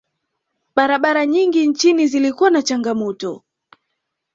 barabara nyingi nchini zilikuwa na changamoto